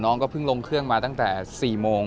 น้องก็เพิ่งลงเครื่องมาตั้งแต่๔โมง